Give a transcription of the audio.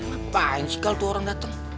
apaan sih kalau orang dateng